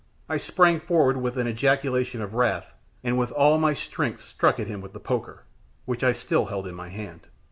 I sprang forward with an ejaculation of wrath, and with all my strength struck at him with the poker, which I still held in my hand.